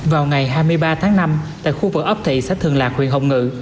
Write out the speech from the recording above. vào ngày hai mươi ba tháng năm tại khu vực ấp thị xã thường lạc huyện hồng ngự